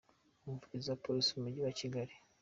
Umuvugizi wa Polisi mu Mujyi wa Kigali,